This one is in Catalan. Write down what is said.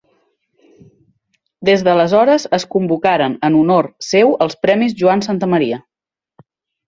Des d'aleshores es convocaren en honor seu els Premis Joan Santamaria.